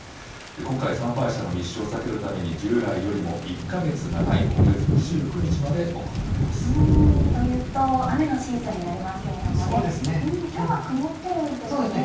今回、参拝者の密集を避けるために、従来よりも１か月長い今月２というと、雨のシーズンになりますけれどもね、きょうは曇ってるんですかね。